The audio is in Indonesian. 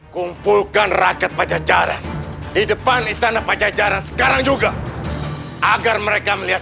kumpulkan rakyat pajajaran di depan istana pajajaran sekarang juga agar mereka melihat